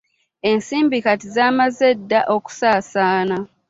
Ensimbi kati zaamaze dda okusaasaana.